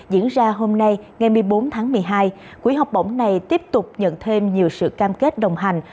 diễn ra hôm nay ngày một mươi bốn tháng một mươi hai quỹ học bổng này tiếp tục nhận thêm nhiều sự cam kết đồng hành